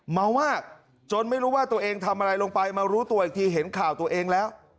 เมามากจนไม่รู้ว่าตัวเองทำอะไรลงไปมารู้ตัวอีกทีเห็นข่าวตัวเองแล้ว